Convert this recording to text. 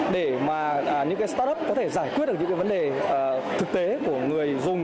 để mà những startup có thể giải quyết được những vấn đề thực tế của người dùng